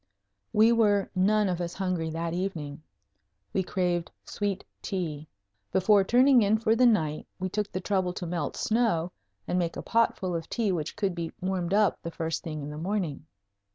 We were none of us hungry that evening. We craved sweet tea. Before turning in for the night we took the trouble to melt snow and make a potful of tea which could be warmed up the first thing in the morning.